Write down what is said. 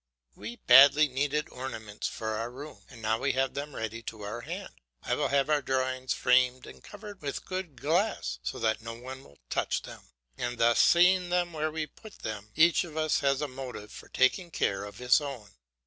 We badly needed ornaments for our room, and now we have them ready to our hand. I will have our drawings framed and covered with good glass, so that no one will touch them, and thus seeing them where we put them, each of us has a motive for taking care of his own.